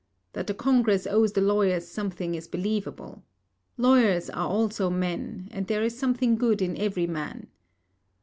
That the Congress owes the lawyers something is believable. Lawyers are also men, and there is something good in every man.